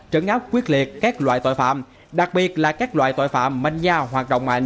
trấn áp quyết liệt các loại tội phạm đặc biệt là các loại tội phạm manh nha hoạt động mạnh